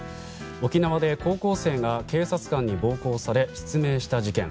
沖縄で高校生が警察官に暴行され失明した事件。